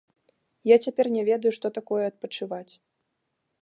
Я цяпер не ведаю, што такое адпачываць.